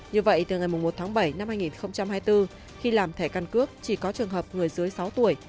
như vậy từ ngày một tháng bảy năm hai nghìn hai mươi bốn khi làm thẻ căn cước chỉ có trường hợp người dưới sáu tuổi